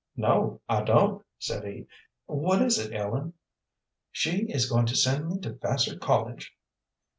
"No, I don't," said he. "What is it, Ellen?" "She is going to send me to Vassar College."